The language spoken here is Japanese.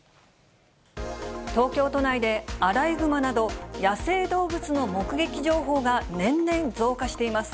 東京都内でアライグマなど、野生動物の目撃情報が年々増加しています。